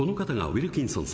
ウィルキンソン